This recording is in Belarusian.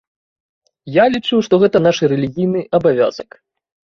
Я лічу, што гэта наш рэлігійны абавязак.